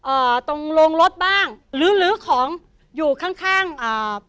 อ่าตรงโรงรถบ้างหรือลื้อของอยู่ข้างข้างอ่า